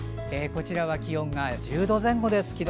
こちらは気温が１０度前後です。